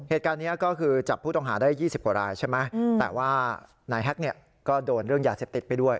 เหตุการณ์นี้ก็คือจับผู้ต้องหาได้๒๐กว่ารายใช่ไหมแต่ว่านายแฮ็กเนี่ยก็โดนเรื่องยาเสพติดไปด้วย